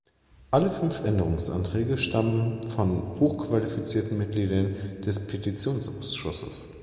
Alle fünf Änderungsanträge stammen von hochqualifizierten Mitgliedern des Petitionsausschusses.